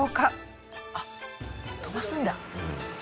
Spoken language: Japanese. あっ飛ばすんだ。